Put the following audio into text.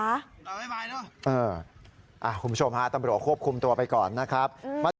คุณผู้ชมฮะตำรวจควบคุมตัวไปก่อนนะครับ